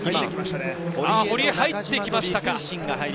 堀江、入ってきましたね。